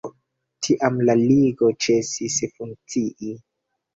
Tiam la ligo ĉesis funkcii.